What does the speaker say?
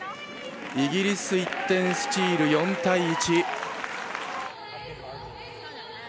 イギリス、１点スチール４対１。